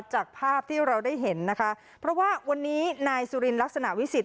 จากภาพที่เราได้เห็นนะคะเพราะว่าวันนี้นายสุรินลักษณะวิสิทธ